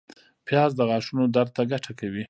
پیاز د غاښونو درد ته ګټه کوي